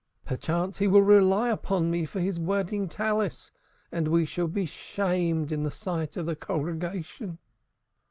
Perchance he will rely upon me for his wedding Talith, and we shall be shamed in the sight of the congregation."